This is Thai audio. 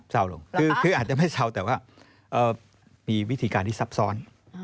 ลงคืออาจจะไม่เศร้าแต่ว่ามีวิธีการที่ซับซ้อน